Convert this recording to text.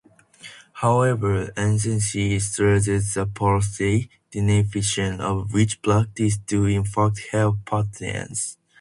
However, uncertainty surrounds the precise definition of which practices do in fact help patients.